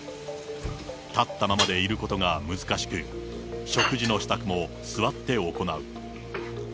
立ったままでいることが難しく、食事の支度も座って行う。